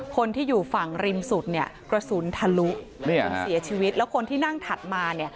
คนที่อยู่ฝั่งริมสุดกระสุนทะลุจนเสียชีวิตแล้วคนที่นั่งถัดมา